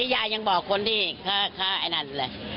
ยายยังบอกคนที่ฆ่าไอ้นั่นเลย